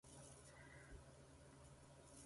まこーらは強いです